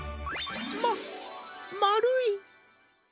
ままるい！